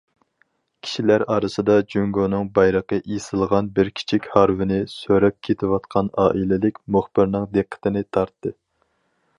كىشىلەر ئارىسىدا، جۇڭگونىڭ بايرىقى ئېسىلغان بىر كىچىك ھارۋىنى سۆرەپ كېتىۋاتقان ئائىلىلىك مۇخبىرنىڭ دىققىتىنى تارتتى.